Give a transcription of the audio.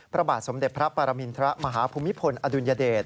พระบาทสมเด็จพระปรมินทรมาฮภูมิพลอดุลยเดช